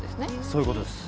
そういうことです。